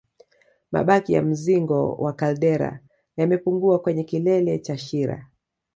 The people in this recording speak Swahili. Mabaki ya mzingo wa kaldera yamepungua kwenye kilele cha shira